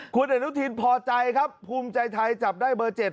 คุณอนุทินพอใจครับภูมิใจไทยจับได้เบอร์๗